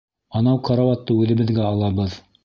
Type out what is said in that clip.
Анау карауатты үҙебеҙгә алабыҙ.